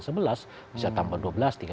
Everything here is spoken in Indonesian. artinya bisa jadi bertambah bukan sebelas